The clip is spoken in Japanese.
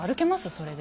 それで。